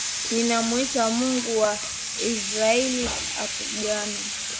Ninamwita Mungu wa Israeli akupiganie.